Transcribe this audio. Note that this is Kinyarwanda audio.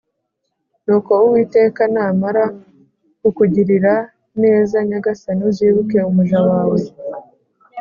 Nuko Uwiteka namara kukugirira neza Nyagasani, uzibuke umuja wawe.